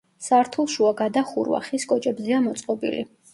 სართულშუა გადახურვა ხის კოჭებზეა მოწყობილი.